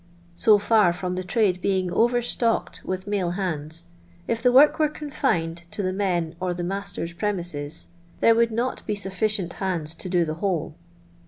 So far from the trade I being over stocked with male hands, if the work I were contined to the men or the masters* premises, there would not be sutficicnt hands to do the whole."